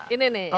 ini nih ya